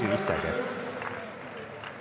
３１歳です。